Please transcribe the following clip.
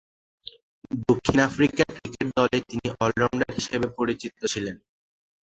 দক্ষিণ Africa cricket দলে তিনি অল-রাউন্ডার হিসেবে পরিচিত ছিলেন।